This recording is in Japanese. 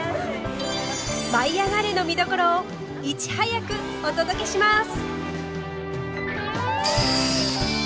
「舞いあがれ！」の見どころをいち早くお届けします！